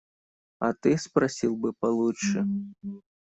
А ты спросил бы получше.